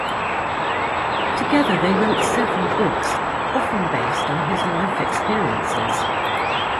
Together they wrote several books, often based on his life experiences.